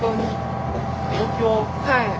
はい。